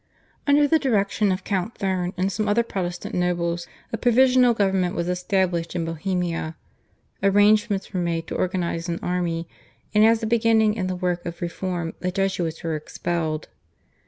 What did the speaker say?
Under the direction of Count Thurn and some other Protestant nobles a provisional government was established in Bohemia, arrangements were made to organise an army, and as a beginning in the work of reform the Jesuits were expelled.